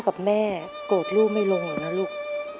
กับแม่โกรธลูกไม่ลงเหรอนะลูก